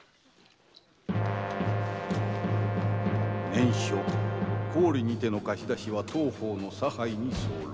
「念書高利にての貸出は当方の差配に候。